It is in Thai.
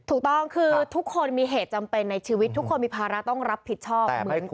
ถูกต้องคือทุกคนมีเหตุจำเป็นในชีวิตทุกคนมีภาระต้องรับผิดชอบเหมือนกัน